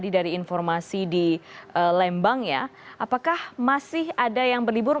di lembangnya apakah masih ada yang berlibur